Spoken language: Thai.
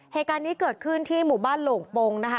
เหตุการณ์นี้เกิดขึ้นที่หมู่บ้านโหลงปงนะคะ